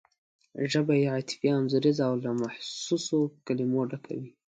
ژبه یې عاطفي انځوریزه او له محسوسو کلمو ډکه وي.